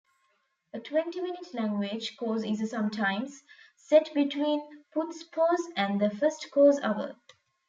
A twenty-minute language course is sometimes set between Putzpause and the first course hour.